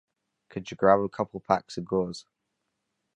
Could you grab a couple packs of gauze?